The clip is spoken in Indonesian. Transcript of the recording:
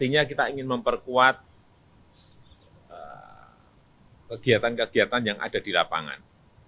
artinya kita ingin memperkuat kegiatan kegiatan yang ada di lapangan